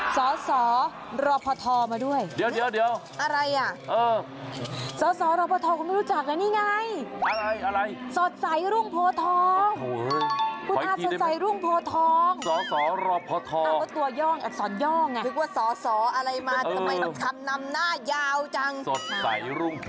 สาวหรอพอทรมาด้วย